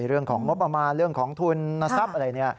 เรื่องของงบประมาณเรื่องของทุนทรัพย์อะไร